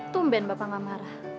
tumben bapak gak marah